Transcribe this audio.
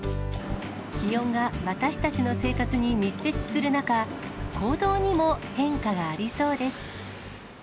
気温が私たちの生活に密接する中、行動にも変化がありそうです。